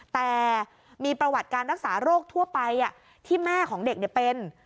แต่มีประวัติการรักษาโรคทั่วไปที่แม่ของเด็กเป็น